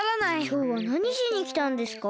きょうはなにしにきたんですか？